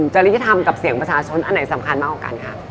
จริยธรรมกับเสียงประชาชนอันไหนสำคัญมากกว่ากันคะ